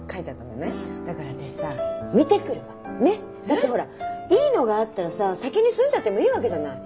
だってほらいいのがあったらさ先に住んじゃってもいいわけじゃない。